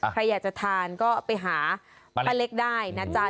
ใครอยากจะทานก็ไปหาป้าเล็กได้นะจ๊ะ